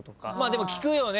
でも聞くよね